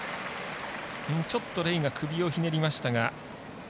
ちょっとレイが首をひねりましたが。